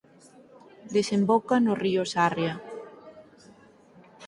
Desemboca no río Sarria.